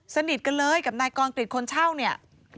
สนิทกันเลยกับนายกรกริจคนเช่าเนี่ย